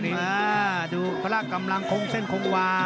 เฮียดูภาระกำลังเส้นท์คงวา